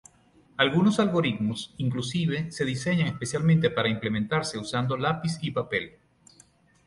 Algunos algoritmos inclusive se diseñan especialmente para implementarse usando lápiz y papel.